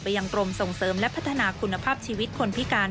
ยังกรมส่งเสริมและพัฒนาคุณภาพชีวิตคนพิการ